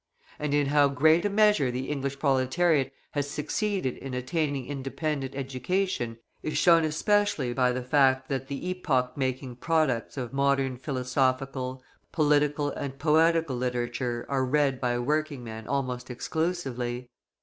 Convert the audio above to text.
And in how great a measure the English proletariat has succeeded in attaining independent education is shown especially by the fact that the epoch making products of modern philosophical, political, and poetical literature are read by working men almost exclusively.